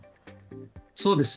そうですね。